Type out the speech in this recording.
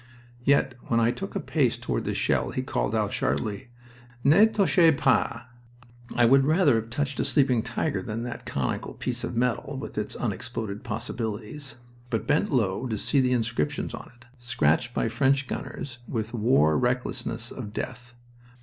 Yet when I took a pace toward the shell he called out, sharply, "Ne touchez pas!" I would rather have touched a sleeping tiger than that conical piece of metal with its unexploded possibilities, but bent low to see the inscriptions on it, scratched by French gunners with wore recklessness of death.